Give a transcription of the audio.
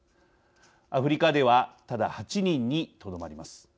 アフリカではただ８人にとどまります。